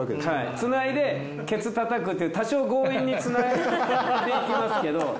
つないでケツ叩くっていう多少強引につなげていきますけど。